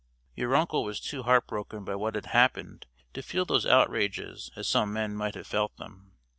Your uncle was too heartbroken by what had happened to feel those outrages as some men might have felt them.